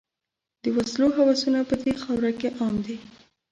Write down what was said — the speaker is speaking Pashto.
د وسلو هوسونه په دې خاوره کې عام دي.